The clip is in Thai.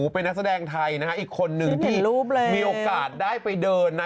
เป็นนักแสดงไทยนะฮะอีกคนนึงมีโอกาสได้ไปเดินนะ